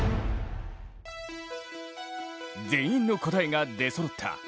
全員の答えが出そろった。